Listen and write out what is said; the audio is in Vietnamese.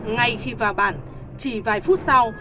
ngay khi vào bản chỉ vài phút sau